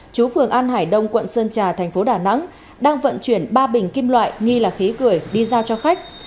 chú phường an hải đông quận sơn trà thành phố đà nẵng đang vận chuyển ba bình kim loại nghi là khí cười đi giao cho khách